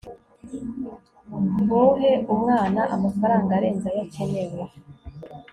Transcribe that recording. ntuhe umwana amafaranga arenze ayo akenewe